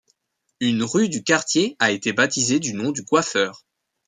Une rue du quartier a été baptisée du nom du coiffeur.